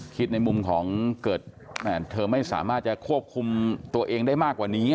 ในมุมของเกิดเธอไม่สามารถจะควบคุมตัวเองได้มากกว่านี้